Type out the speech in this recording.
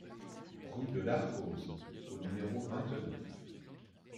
Rue de l'Arkose au numéro vingt-neuf